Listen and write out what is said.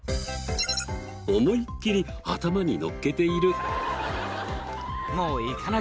思いっきり頭にのっけている。